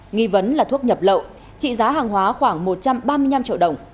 nghi vấn là thuốc nhập lậu trị giá hàng hóa khoảng một trăm ba mươi năm triệu đồng